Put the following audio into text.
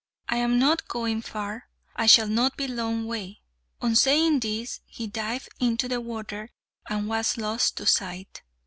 "I am not going far. I shall not be long away." On saying this, he dived into the water and was lost to sight.